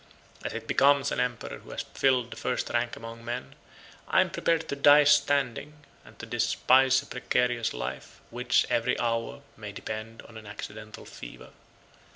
As it becomes an emperor who has filled the first rank among men, I am prepared to die, standing; and to despise a precarious life, which, every hour, may depend on an accidental fever.